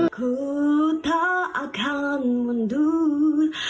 ku tak akan menduduh